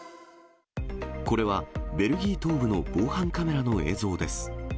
これは、ベルギー東部の防犯カメラの映像です。